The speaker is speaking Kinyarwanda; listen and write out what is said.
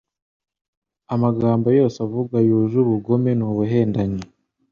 Amagambo yose avuga yuje ubugome n’ubuhendanyi